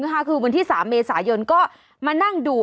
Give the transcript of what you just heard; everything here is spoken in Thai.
คือวันที่๓เมษายนก็มานั่งดู